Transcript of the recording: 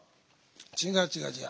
違う違う違う。